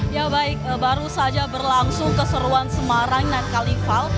ya baik baru saja berlangsung keseruan semarang dan kalival